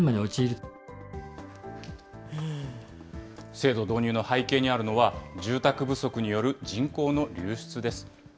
制度導入の背景にあるのは、住宅不足による人口の流出です。